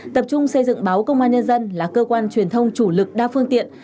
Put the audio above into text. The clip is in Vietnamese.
tập trung xây dựng báo công an nhân dân là cơ quan truyền thông chủ lực đa phương tiện